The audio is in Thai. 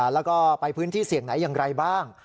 แล้วก็ไปพื้นที่เสี่ยงไหนอย่างไรบ้าง